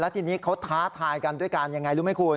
ทีนี้เขาท้าทายกันด้วยกันยังไง